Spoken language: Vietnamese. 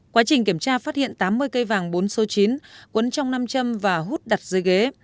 quá trình kiểm tra phát hiện tám mươi cây vàng bốn số chín quấn trong năm châm và hút đặt dưới ghế